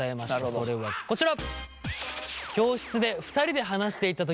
それはこちら。